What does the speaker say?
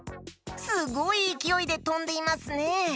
すごいいきおいでとんでいますね！